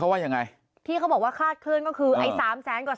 ว่ายังไงที่เขาบอกว่าคลาดเคลื่อนก็คือไอ้สามแสนกว่า